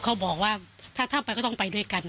เขาบอกว่าถ้าไปก็ต้องไปด้วยกัน